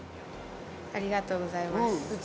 ありがとうございます。